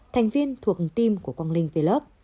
thành viên thuộc team của quang linh vlog